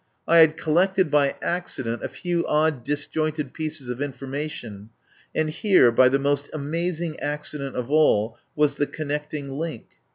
I had collected by accident a few odd dis jointed pieces of information, and here by the most amazing accident of all was the con necting link.